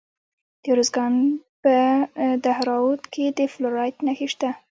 د ارزګان په دهراوود کې د فلورایټ نښې شته.